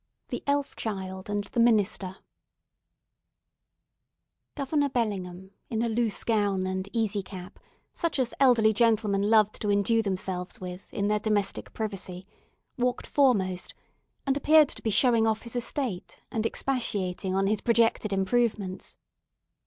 THE ELF CHILD AND THE MINISTER Governor Bellingham, in a loose gown and easy cap—such as elderly gentlemen loved to endue themselves with, in their domestic privacy—walked foremost, and appeared to be showing off his estate, and expatiating on his projected improvements.